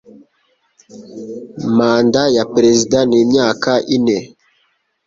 Manda ya perezida ni imyaka ine.